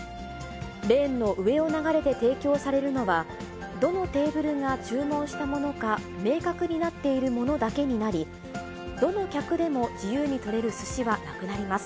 レーンの上を流れて提供されるのは、どのテーブルが注文したものか明確になっているものだけになり、どの客でも自由に取れるすしはなくなります。